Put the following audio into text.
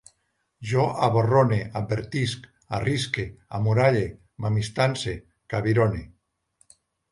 Jo aborrone, advertisc, arrisque, amuralle, m'amistance, cabirone